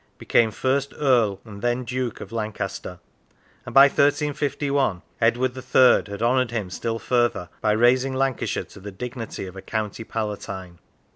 became first Earl and then Duke of Lancaster, and by 1351 Edward III. had honoured him still further by raising Lancashire to the dignity of a County Palatine.